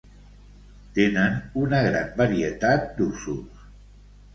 tenen una gran varietat d'usos